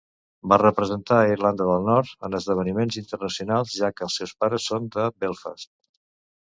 Va representar a Irlanda del Nord en esdeveniments internacionals, ja que els seus pares són de Belfast.